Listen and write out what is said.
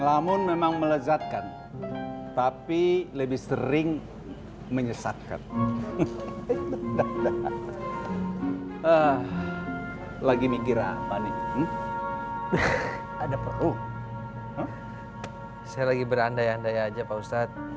andai andai aja pak ustadz